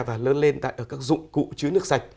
và lớn lên tại các dụng cụ chứa nước sạch